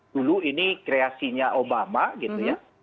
dulu ini kreasinya obama gitu ya